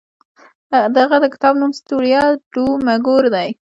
د هغه د کتاب نوم ستوریا ډو مګور دی.